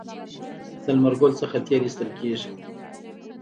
د لمر ګل څخه تیل ایستل کیږي.